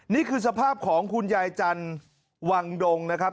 นี่คือสภาพของคุณยายจันทร์วังดงนะครับ